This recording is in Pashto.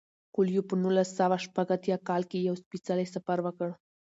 کویلیو په نولس سوه شپږ اتیا کال کې یو سپیڅلی سفر وکړ.